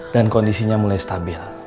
dan kondisinya mulai stabil